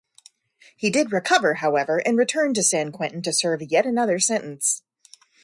He did recover, however, and returned to San Quentin to serve yet another sentence.